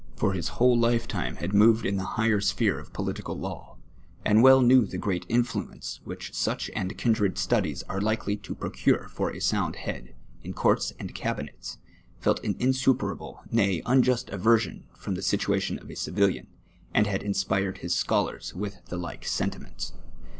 who for his whole lifetime had moved in the higher sphere of ])olitical law, and well knew the great in fluence which such and kindred studies are likely to procure for a somid head, in courts and cabinets, felt an insuperable, nay, unjust aversion from the situation of a civilian, and had inspired his scholars with the like sentiments.